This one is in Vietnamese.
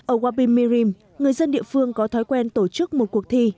ở wabi mirim người dân địa phương có thói quen tổ chức một cuộc thi